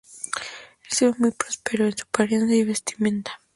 Él se ve muy próspero con su apariencia y vestimenta.